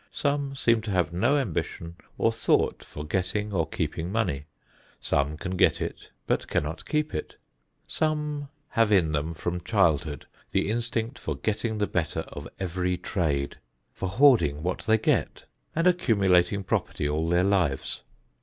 Some seem to have no ambition or thought for getting or keeping money. Some can get it but cannot keep it. Some have in them from childhood the instinct for getting the better of every trade; for hoarding what they get, and accumulating property all their lives.